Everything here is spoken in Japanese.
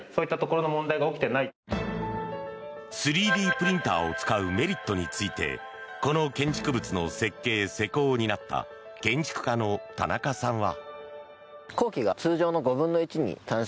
３Ｄプリンターを使うメリットについてこの建築物の設計・施工を担った建築家の田中さんは。